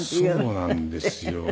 そうなんですよ。